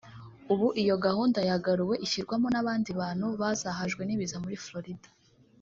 ubu iyo gahunda yaraguwe ishyirwamo n’abandi bantu bazahajwe n’ibiza muri Florida